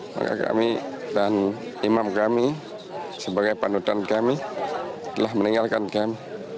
maka kami dan imam kami sebagai panutan kami telah meninggalkan kami